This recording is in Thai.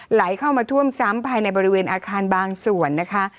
ไหลเข้ามาท่วมซ้ำภายในบริเวณอาคารบางส่วนนะคะ